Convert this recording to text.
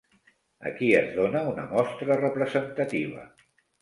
Aquí es dona una mostra representativa.